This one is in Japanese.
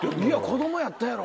子どもやったやろ。